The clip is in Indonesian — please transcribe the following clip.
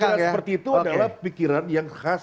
pikiran seperti itu adalah pikiran yang khas